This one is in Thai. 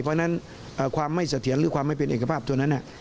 เพราะฉะนั้นความไม่เสถียรหรือความไม่เป็นเอกภาพตัวนั้น